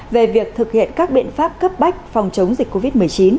về việc thực hiện các biện pháp cấp bách phòng chống dịch covid một mươi chín